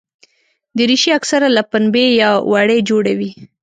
دریشي اکثره له پنبې یا وړۍ جوړه وي.